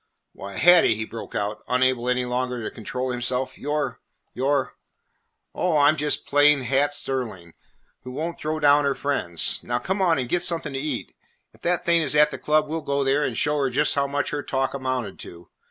"Why, Hattie," he broke out, unable any longer to control himself, "you 're you 're " "Oh, I 'm just plain Hat Sterling, who won't throw down her friends. Now come on and get something to eat. If that thing is at the club, we 'll go there and show her just how much her talk amounted to.